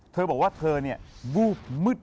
เธอบอกว่าเธอเนี่ยบูบมึด